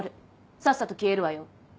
さっさと消えるわよ。